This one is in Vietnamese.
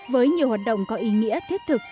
với nhiều hoạt động có ý nghĩa thiết thực